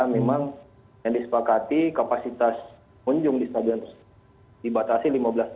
memang yang disepakati kapasitas pengunjung di stadion dibatasi lima belas tiga puluh